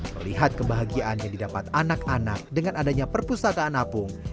melihat kebahagiaan yang didapat anak anak dengan adanya perpustakaan apung